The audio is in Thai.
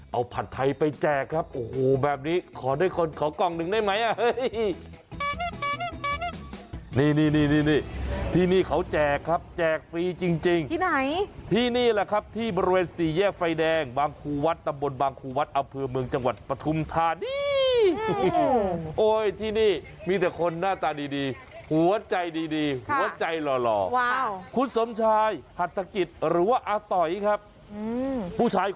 เอาผัดไทยไปแจกครับโอ้โหแบบนี้ขอได้คนขอกล่องหนึ่งได้ไหม